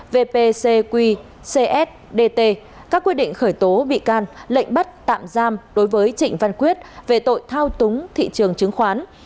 vpcsdt các quyết định khởi tố bị can lệnh bắt tạm giam đối với trịnh văn quyết về tội thao túng thị trường chứng khoán